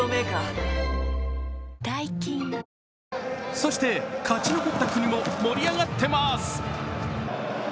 そして勝ち残った国も盛り上がってます。